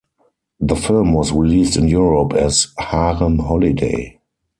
The film was released in Europe as "Harem Holiday".